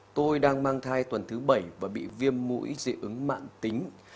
tôi đang mang thai tuần thứ bảy và bị viêm mũi dị ứng mạng tính